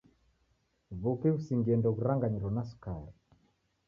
W'uki ghusingie ndoghuranganyiro na skari